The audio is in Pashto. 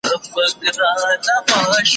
زه هره ورځ د سبا لپاره د يادښتونه بشپړوم